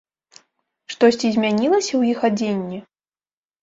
Штосьці змянілася ў іх адзенні?